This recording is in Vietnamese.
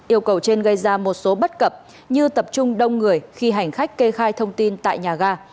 yêu cầu trên gây ra một số bất cập như tập trung đông người khi hành khách kê khai thông tin tại nhà ga